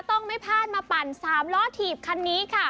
ต้องไม่พลาดมาปั่น๓ล้อถีบคันนี้ค่ะ